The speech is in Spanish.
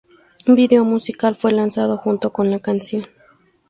Un video musical fue lanzado junto con la canción.